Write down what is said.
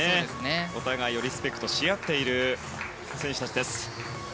お互いをリスペクトし合っている選手たちです。